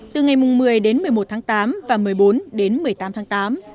từ ngày một mươi đến một mươi một tháng tám và một mươi bốn đến một mươi tám tháng tám